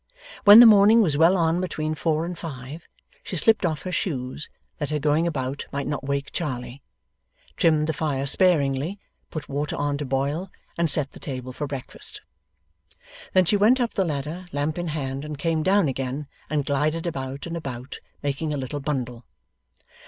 When the morning was well on between four and five, she slipped off her shoes (that her going about might not wake Charley), trimmed the fire sparingly, put water on to boil, and set the table for breakfast. Then she went up the ladder, lamp in hand, and came down again, and glided about and about, making a little bundle.